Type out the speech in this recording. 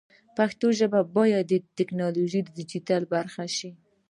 پښتو ژبه باید د ډیجیټل ټکنالوژۍ برخه شي.